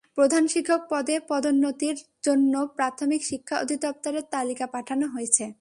প্রধান শিক্ষক পদে পদোন্নতির জন্য প্রাথমিক শিক্ষা অধিদপ্তরে তালিকা পাঠানো হয়েছে।